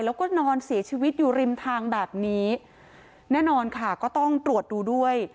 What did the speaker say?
แล้วก็นอนเสียชีวิตอยู่ริมทางแบบนี้แน่นอนค่ะก็ต้องตรวจดูด้วย